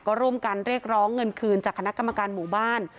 ก็ร่วมกันเรียกร้องเงินคืนจากคณะกรรมการหมู่บ้าน